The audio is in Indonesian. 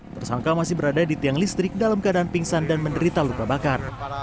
tersangka masih berada di tiang listrik dalam keadaan pingsan dan menderita luka bakar